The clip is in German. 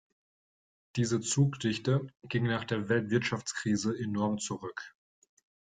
Diese Zugdichte ging nach der Weltwirtschaftskrise enorm zurück.